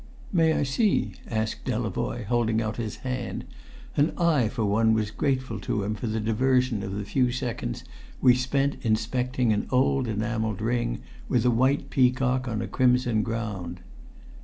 "May I see?" asked Delavoye, holding out his hand; and I for one was grateful to him for the diversion of the few seconds we spent inspecting an old enamelled ring with a white peacock on a crimson ground.